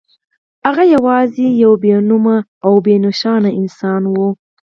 هغه یوازې یو بې نومه او بې نښانه انسان و